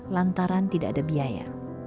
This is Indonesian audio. lantaran tidak ada biaya